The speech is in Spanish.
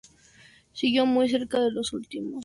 Siguió muy de cerca los últimos acontecimientos Chile.